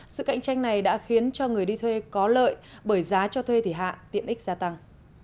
sự cạnh tranh này đã khiến cho người đi thuê có lợi bởi giá cho thuê thì hạ tiện ích gia tăng